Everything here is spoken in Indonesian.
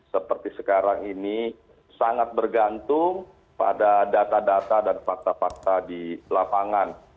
seperti sekarang ini sangat bergantung pada data data dan fakta fakta di lapangan